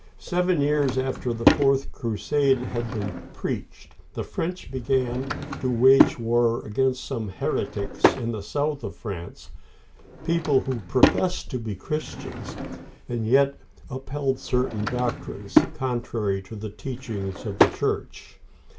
Seven years after the fourth crusade had been preached, the French began to wage war against some heretics in the south of France — people who professed to be Christians, and yet upheld certain doctrines contrary to the teachings of the Church.